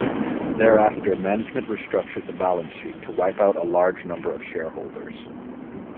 Thereafter management restructured the balance sheet to wipe out a large number of shareholders.